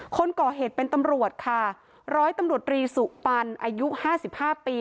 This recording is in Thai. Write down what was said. คนก่อเหตุเป็นตำรวจค่ะร้อยตำรวจรีสุปันอายุห้าสิบห้าปี